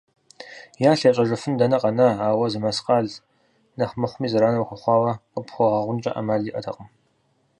Ялъ ящӀэжыфын дэнэ къэна, ауэ зы мэскъалкӀэ нэхъ мыхъуми зэран уахуэхъуауэ къыпхуагъэгъункӀэ Ӏэмал иӀэтэкъым.